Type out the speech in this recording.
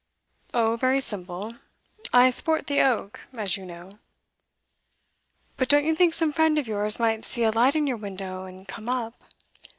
'Oh, very simple. I sport the oak as you know.' 'But don't you think some friend of yours might see a light in your window, and come up?